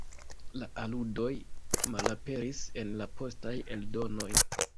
La aludoj malaperis en la postaj eldonoj.